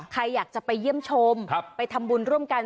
ใครอยากจะไปเยี่ยมชมไปทำบุญร่วมกัน